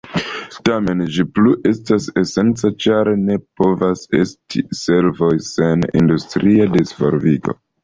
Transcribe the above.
Tamen ĝi plu estas esenca, ĉar ne povas esti servoj sen industria disvolvigo.